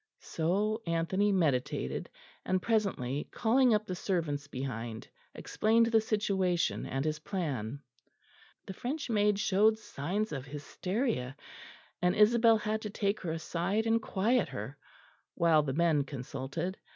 So Anthony meditated; and presently, calling up the servants behind, explained the situation and his plan. The French maid showed signs of hysteria and Isabel had to take her aside and quiet her, while the men consulted.